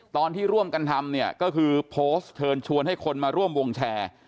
ตอนที่ร่วมกันทำเนี่ยก็คือโพสต์เชิญชวนให้คนมาร่วมวงแชร์